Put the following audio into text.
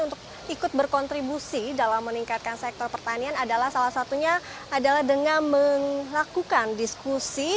untuk ikut berkontribusi dalam meningkatkan sektor pertanian adalah salah satunya adalah dengan melakukan diskusi